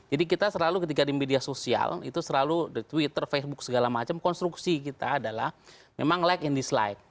jadi kita selalu ketika di media sosial itu selalu di twitter facebook segala macam konstruksi kita adalah memang like and dislike